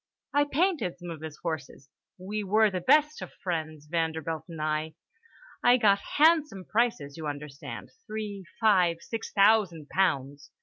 I painted some of his horses. We were the best of friends, Vanderbilt and I. I got handsome prices, you understand, three, five, six thousand pounds.